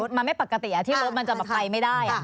มันไม่ปกติที่รถมันจะแบบไปไม่ได้